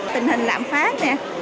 tình hình lạm phát nè